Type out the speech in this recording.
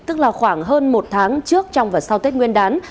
tức là khoảng hơn một tháng trước trong và sau tết nguyên đán